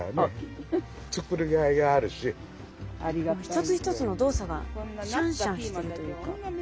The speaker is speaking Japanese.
一つ一つの動作がしゃんしゃんしてるというか。